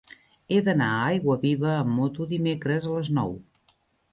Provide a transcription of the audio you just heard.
He d'anar a Aiguaviva amb moto dimecres a les nou.